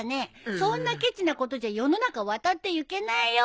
そんなケチなことじゃ世の中渡ってゆけないよ？